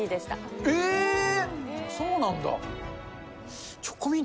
そうなんだ。